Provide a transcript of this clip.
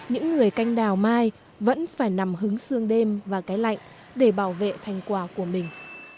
những người canh đào mai vẫn phải nằm hứng sương đêm và cái lạnh để bảo vệ thành quả của mình